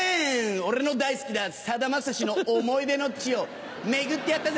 俺の大好きなさだまさしの思い出の地を巡ってやったぜ。